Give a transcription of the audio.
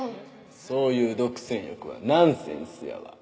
そういう独占欲はナンセンスやわ。